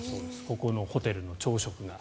ここのホテルの朝食が。